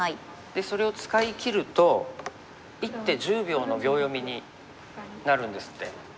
それを使いきると１手１０秒の秒読みになるんですって。